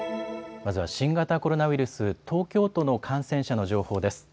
まずは新型コロナウイルス、東京都の感染者の情報です。